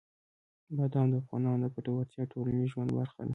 بادام د افغانانو د ګټورتیا او ټولنیز ژوند برخه ده.